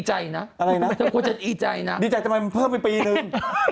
อะไรนะดีใจทำไมมันเพิ่มไปปีนึง